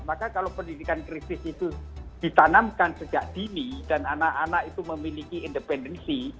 maka kalau pendidikan krisis itu ditanamkan sejak dini dan anak anak itu memiliki independensi